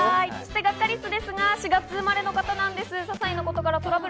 ガッカりすは４月生まれの方なんです。